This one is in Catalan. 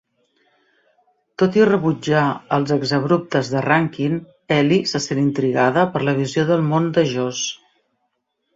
Tot i rebutjar els exabruptes de Rankin, Ellie se sent intrigada per la visió del món de Joss.